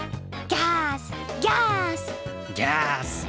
ギャス！